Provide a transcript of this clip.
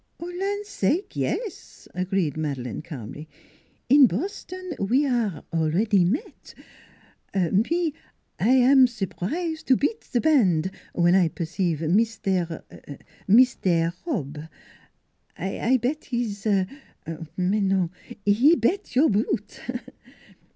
" Land sake yes! " agreed Madeleine calmly. " In Boston we aire already met. Me I am sur prise to beat band when I perceive Mis taire Mis taire Hobb; I bet his mais non he bet your boot!"